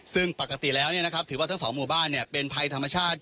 ซึ่งปกติแล้วถือว่าทั้งสองหมู่บ้านเป็นภัยธรรมชาติ